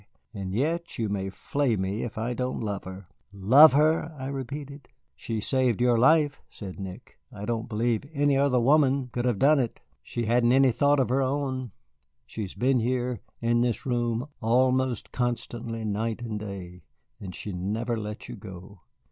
And yet you may flay me if I don't love her." "Love her!" I repeated. "She saved your life," said Nick; "I don't believe any other woman could have done it. She hadn't any thought of her own. She has been here, in this room, almost constantly night and day, and she never let you go.